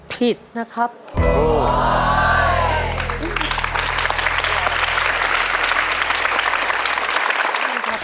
ผิดนะครับ